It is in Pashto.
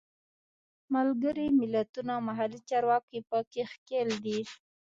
ملګري ملتونه او محلي چارواکي په کې ښکېل دي.